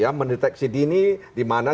ya mendeteksi dini dimana